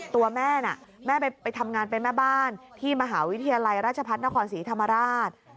ตัวแม่น่ะแม่ไปทำงานเป็นแม่บ้านที่มหาวิทยาลัยราชพัฒนครศรีธรรมราช